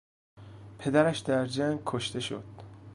پدرش در جنگ کشته شد.